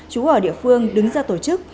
chú ở địa phương đứng ra tổ chức